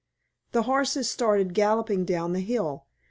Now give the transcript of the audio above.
The horses started galloping down the hill.